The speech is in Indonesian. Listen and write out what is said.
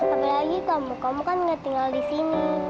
apalagi kamu kamu kan gak tinggal disini